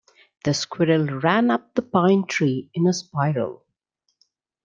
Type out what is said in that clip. The squirrel ran up the pine tree in a spiral.